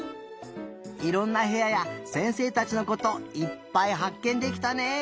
いろんなへやや先生たちのこといっぱいはっけんできたね！